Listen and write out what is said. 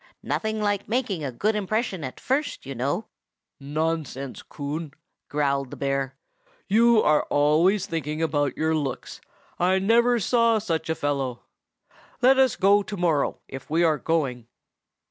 Nothing like making a good impression at first, you know." "Nonsense, Coon!" growled the bear. "You are always thinking about your looks. I never saw such a fellow. Let us go to morrow if we are going."